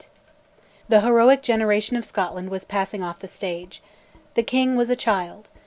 The heroic generation of Scotland was passing off the stage. The King was a child.